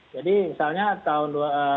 jadi misalnya tahun